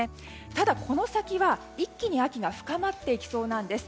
ただ、この先は一気に秋が深まっていきそうなんです。